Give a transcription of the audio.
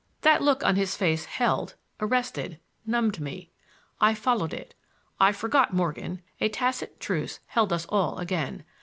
That look on his face held, arrested, numbed me; I followed it. I forgot Morgan; a tacit truce held us all again.